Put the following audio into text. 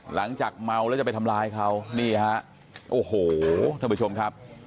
หลังจากเมาแล้วจะไปทำร้ายเขานี่ฮะโอ้โหท่านผู้ชมครับ